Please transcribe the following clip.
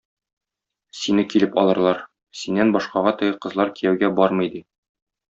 Сине килеп алырлар, синнән башкага теге кызлар кияүгә бармый, ди.